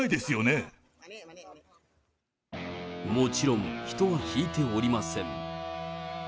もちろん、人はひいておりません。